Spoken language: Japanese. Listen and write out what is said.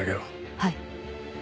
はい。